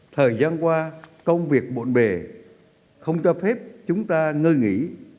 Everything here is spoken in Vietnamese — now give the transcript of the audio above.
thời gian qua công việc bộn bề không cho phép chúng ta ngơi nghỉ